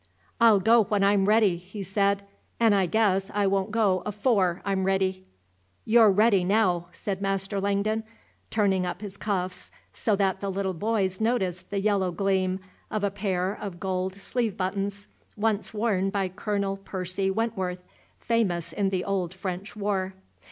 "I'll go when I'm ready," he said, "'n' I guess I won't go afore I'm ready." "You're ready now," said Master Langdon, turning up his cuffs so that the little boys noticed the yellow gleam of a pair of gold sleeve buttons, once worn by Colonel Percy Wentworth, famous in the Old French War.